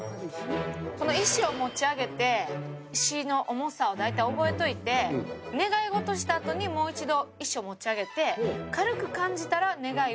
石を持ち上げて石の重さをだいたい覚えといて願い事した後にもう一度石を持ち上げて軽く感じたら願いはかなう。